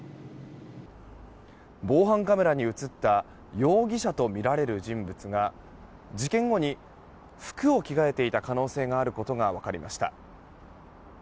防犯カメラに映った容疑者とみられる人物が事件後に、服を着替えていた可能性があることが分かりました。